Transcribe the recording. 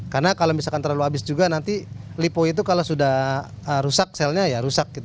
karena kalau misalkan terlalu abis juga nanti lipo itu kalau sudah rusak selnya ya rusak gitu